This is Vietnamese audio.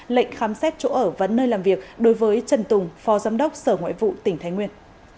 lệnh khám xét chỗ ở và nơi làm việc đối với trần tùng phó giám đốc sở ngoại vụ tỉnh thái nguyên